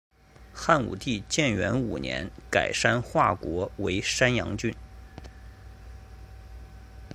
汉武帝建元五年改山划国为山阳郡。